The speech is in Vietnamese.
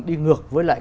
đi ngược với lại